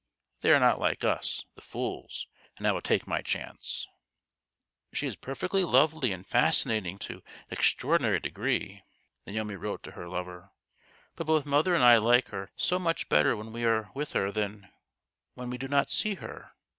They are not like us, the fools and I will take my chance !"" She is perfectly lovely, and fascinating to an extraordinary degree," Naomi wrote to her lover ;" but both mother and I like her so much better when we are with her than when we do not see her.